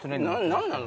何なの？